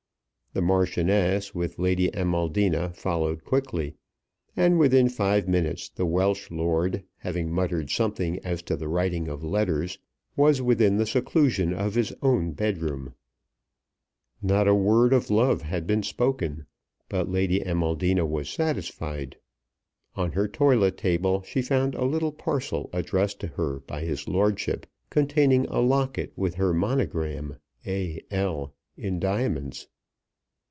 The Marchioness with Lady Amaldina followed quickly; and within five minutes the Welsh lord, having muttered something as to the writing of letters, was within the seclusion of his own bedroom. Not a word of love had been spoken, but Lady Amaldina was satisfied. On her toilet table she found a little parcel addressed to her by his lordship containing a locket with her monogram, "A. L.," in diamonds.